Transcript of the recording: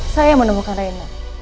saya yang menemukan ren